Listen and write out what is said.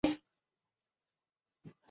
黄嘴河燕鸥为鸥科燕鸥属的鸟类。